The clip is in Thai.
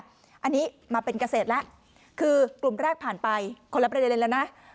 อันนี้มาเป็นเกษตรแล้วคือกลุ่มแรกผ่านไปคนละประเด็นแล้วนะ